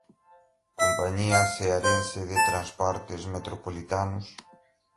Companhia Cearense de Transportes Metropolitanos